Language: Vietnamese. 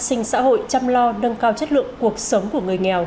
sinh xã hội chăm lo nâng cao chất lượng cuộc sống của người nghèo